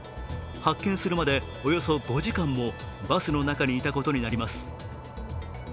発見するまでおよそ５時間もバスの中にいたことになります。